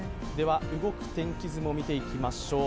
動く天気図も見ていきましょう。